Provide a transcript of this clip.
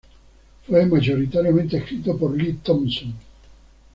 Fue mayoritariamente escrito por Lee Thompson.